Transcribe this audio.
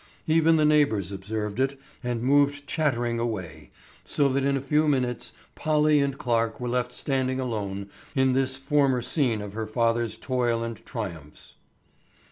Even the neighbors observed it and moved chattering away, so that in a few minutes Polly and Clarke were left standing alone in this former scene of her father's toil and triumphs.